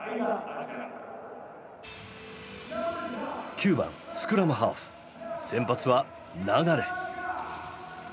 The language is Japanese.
９番スクラムハーフ先発は流。